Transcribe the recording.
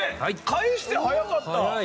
⁉返して早かった。